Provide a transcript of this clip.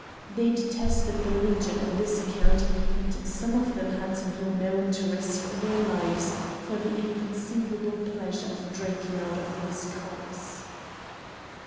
They detested the Legion on this account, and some of them had been known to risk their lives for the inconceivable pleasure of drinking out of these cups.